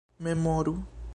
memoru